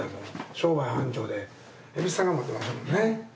商売繁盛でエビスさんが持ってましたもんね。